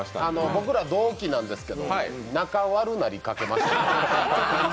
僕ら、同期なんですけど仲悪くなりかけました。